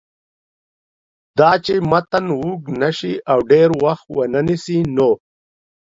داچې متن اوږد نشي او ډېر وخت ونه نیسي نو